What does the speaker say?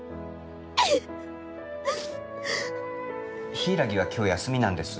柊は今日休みなんです。